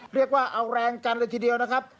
เรียกว่าเอาแรงกันเลยทีเดียวนะครับ